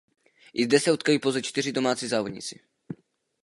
I zde se utkali pouze čtyři domácí závodníci.